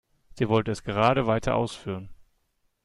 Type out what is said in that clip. Sie wollte es gerade weiter ausführen.